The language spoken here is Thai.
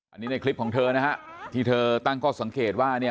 อันนี้ในคลิปของเธอนะฮะที่เธอตั้งข้อสังเกตว่าเนี่ย